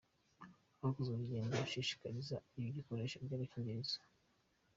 Hakozwe urugendo rushishikariza ikoreshwa ry’agakingirizo